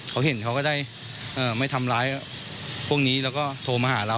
เขาเห็นเขาก็ได้ไม่ทำร้ายพวกนี้แล้วก็โทรมาหาเรา